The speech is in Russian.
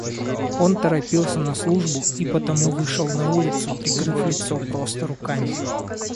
Он торопился на службу и потому вышел на улицу, прикрыв лицо просто руками.